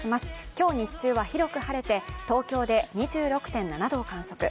今日、日中は広く晴れて東京で２６．７度を観測。